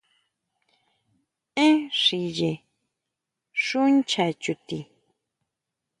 Én xiye xu ncha tsúti.